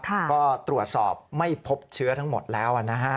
ก็ตรวจสอบไม่พบเชื้อทั้งหมดแล้วนะฮะ